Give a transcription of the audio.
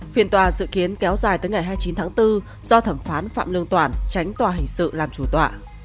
phiên tòa dự kiến kéo dài tới ngày hai mươi chín tháng bốn do thẩm phán phạm lương toản tránh tòa hình sự làm chủ tọa